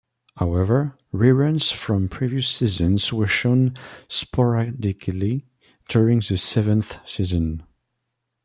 However, reruns from previous seasons were shown sporadically during the seventh season.